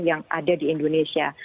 yang ada di indonesia